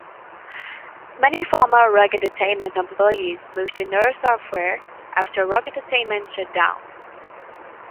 Many former Rogue Entertainment employees moved to Nerve Software after Rogue Entertainment shut down.